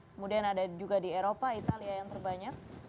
kemudian ada juga di eropa italia yang terbanyak